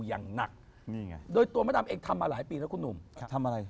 อย่างหนักนี่ไงโดยตัวมะดำเองทำมาหลายปีแล้วคุณหนุ่มทำอะไร